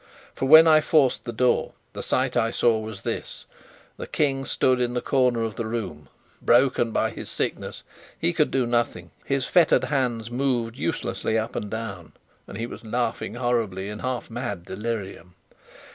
For when I forced the door, the sight I saw was this: the King stood in the corner of the room: broken by his sickness, he could do nothing; his fettered hands moved uselessly up and down, and he was laughing horribly in half mad delirium.